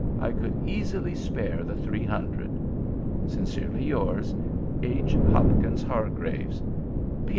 I could easily spare the three hundred. Sincerely yours, H. HOPKINS HARGRAVES. P.